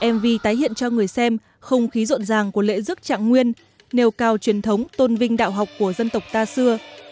mv tái hiện cho người xem không khí rộn ràng của lễ dức trạng nguyên nêu cao truyền thống tôn vinh đạo học của dân tộc ta xưa